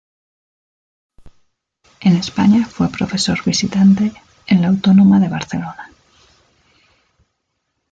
En España fue profesor visitante en la Autónoma de Barcelona.